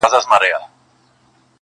چاته وايي په نړۍ کي پهلوان یې!.